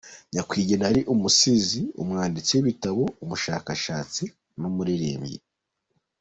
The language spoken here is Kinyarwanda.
Nyakwigendera yari umusizi, umwanditsi w’ibitabo, umushakashatsi n’umuririmbyi.